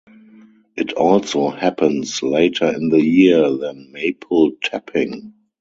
It also happens later in the year than maple tapping.